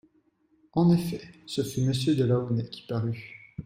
En effet, ce fut monsieur de Launay qui parut.